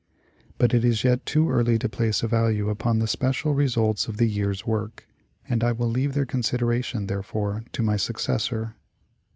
But it is yet too early to place a value upon the special results of the year's work, and I will leave their consideration, therefore, to my successor.